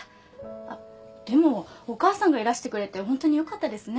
あっでもお母さんがいらしてくれてホントによかったですね。